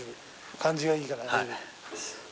感じはいいから。